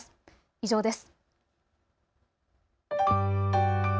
以上です。